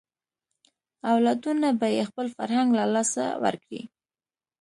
اولادونه به یې خپل فرهنګ له لاسه ورکړي.